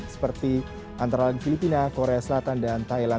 seperti antara lain filipina korea selatan dan thailand